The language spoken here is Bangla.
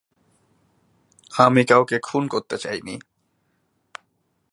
আমি কাউকে খুন করতে চাইনি।